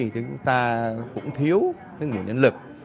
chúng ta cũng thiếu nguồn nhân lực